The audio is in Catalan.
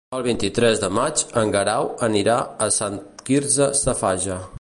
El vint-i-tres de maig en Guerau anirà a Sant Quirze Safaja.